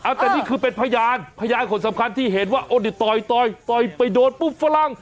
เอาแต่นี่คือเป็นพยานพยานคนสำคัญที่เห็นว่าโอ้นี่ต่อยต่อยต่อยไปโดนปุ๊บฝรั่ง